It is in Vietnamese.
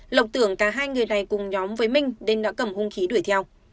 lộc tưởng cả hai người này cùng nhóm với minh nên đã cầm hung khí đuổi theo